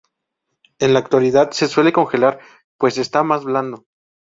En la actualidad se suele congelar pues está más blando.